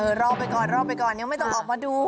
เออรอไปก่อนยังไม่ต้องออกมาดู